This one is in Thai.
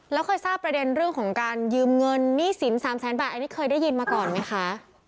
แล้วเคยทราบประเด็นเรื่องของการยืมเงินหนี้สิน๓แสนบาทอันนี้เคยได้ยินมาก่อนไหมคะ